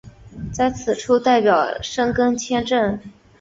在此处代表申根签证。